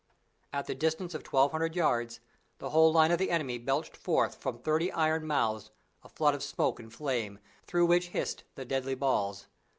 At the distance of twelve hundred yards, the whole line of the enemy belched forth from thirty iron mouths a flood of smoke and flame, through which hissed the deadly balls.